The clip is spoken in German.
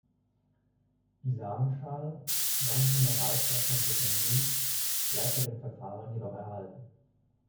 Die Samenschale samt Mineralstoffen und Vitaminen bleibt bei dem Verfahren jedoch erhalten.